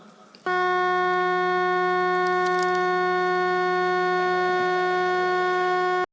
โปรดติดตามตอนต่อไป